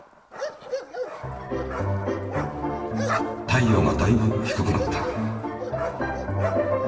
太陽がだいぶ低くなった。